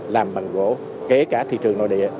làm bằng gỗ kể cả thị trường nội địa